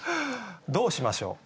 どうしましょう？